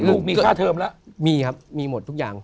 ลูกมีค่าเทอมแล้วมีครับมีหมดทุกอย่าง